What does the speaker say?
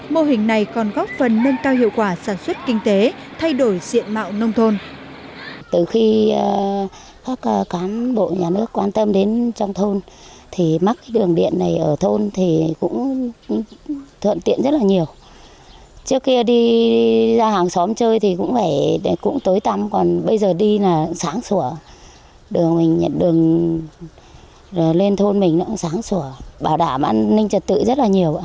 mô hình này còn góp phần nâng cao hiệu quả sản xuất kinh tế thay đổi diện mạo nông thôn